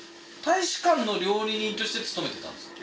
大使館の料理人として勤めてたんですか？